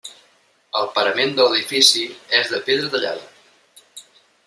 El parament de l'edifici és de pedra tallada.